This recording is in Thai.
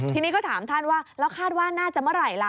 ทีนี้ก็ถามท่านว่าแล้วคาดว่าน่าจะเมื่อไหร่ล่ะ